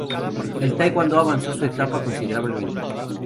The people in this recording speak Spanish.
El taekwondo avanzó su etapa considerablemente.